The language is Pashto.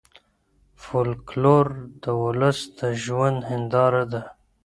فولکلور د ولس د ژوند هنداره ده.